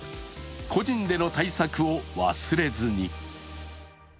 個人での対策を忘れずに。